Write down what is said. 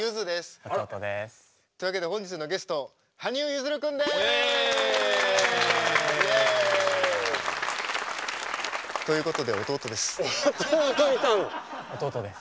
というわけで本日のゲスト羽生結弦君です！ということで弟です。